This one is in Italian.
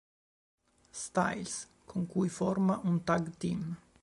Styles con cui forma un tag team.